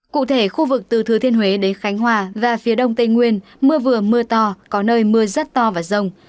cụ thể khu vực từ thừa thiên huế đến khánh hòa và phía đông tây nguyên mưa vừa mưa to có nơi mưa rất to và rông